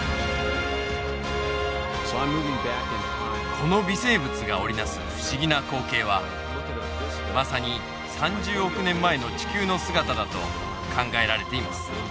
この微生物が織り成す不思議な光景はまさに３０億年前の地球の姿だと考えられています。